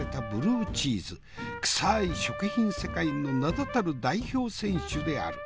クサい食品世界の名だたる代表選手である。